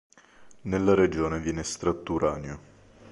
Nella regione viene estratto uranio.